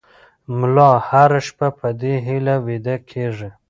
ملا هره شپه په دې هیله ویده کېږي.